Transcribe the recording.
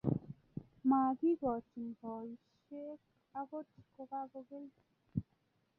makikochi boisie akot ko kakokelchi